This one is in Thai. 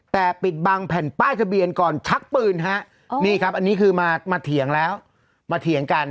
แต่ปิดบังแผ่นป้ายทะเบียนก่อนชักปืนฮะนี่ครับอันนี้คือมาเถียงแล้วมาเถียงกัน